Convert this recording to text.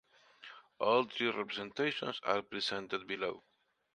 All three representations are presented below.